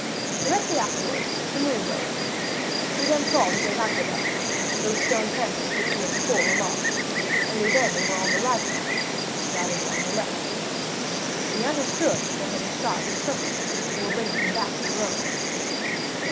Directly afterwards the moon rose. He then saw the great aqueducts, those stone phantoms which he had before remarked, only then they were on the right hand, now they were on the left. He understood that they had described a circle, and were bringing him back to Rome.